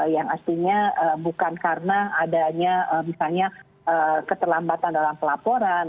yang artinya bukan karena adanya misalnya keterlambatan dalam pelaporan